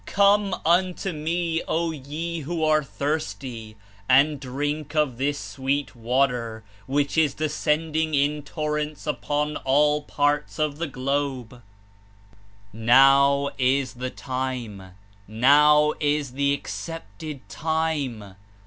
'Come unto Me, O ye who are thirsty, and drink of this Sweet Water, which is descending In torrents upon all parts of the globe !' "Now is the time ! Now is the accepted time